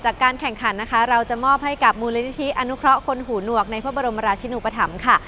การแข่งขันนะคะเราจะมอบให้กับมูลนิธิอนุเคราะห์คนหูหนวกในพระบรมราชินุปธรรมค่ะ